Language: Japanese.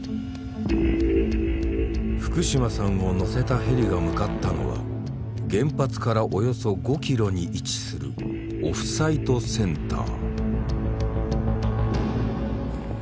福島さんを乗せたヘリが向かったのは原発からおよそ５キロに位置するオフサイトセンター。